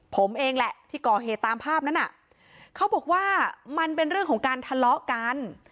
ผมเองแหละที่ก่อเหตุตามภาพนั้นน่ะเขาบอกว่ามันเป็นเรื่องของการทะเลาะกัน